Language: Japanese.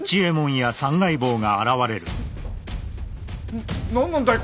な何なんだい？